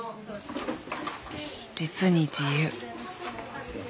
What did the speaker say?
実に自由。